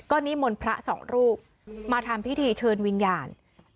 นิมนต์พระสองรูปมาทำพิธีเชิญวิญญาณ